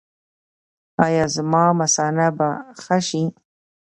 ایا زما مثانه به ښه شي؟